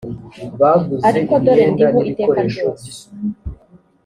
ariko dore ndiho iteka ryose